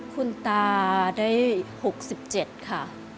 คุณตาได้๖๗ค่ะ